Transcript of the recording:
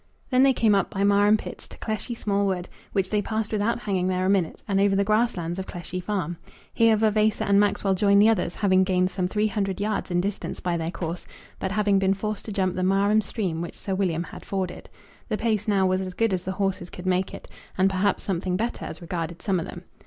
Then they came up by Marham Pits to Cleshey Small Wood, which they passed without hanging there a minute, and over the grass lands of Cleshey Farm. Here Vavasor and Maxwell joined the others, having gained some three hundred yards in distance by their course, but having been forced to jump the Marham Stream which Sir William had forded. The pace now was as good as the horses could make it, and perhaps something better as regarded some of them.